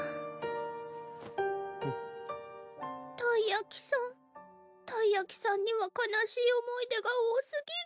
たい焼きさんたい焼きさんには悲しい思い出が多すぎる。